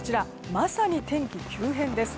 まさに天気急変です。